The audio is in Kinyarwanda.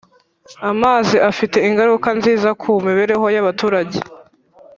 Amazi afite ingaruka nziza ku mibereho y’abaturage